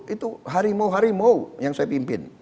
itu harimau harimau yang saya pimpin